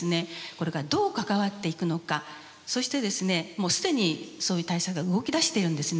これからどう関わっていくのかそしてですねもう既にそういう対策が動き出しているんですね。